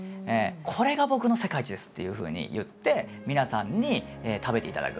「これが僕の世界一です」っていうふうに言って皆さんに食べていただく。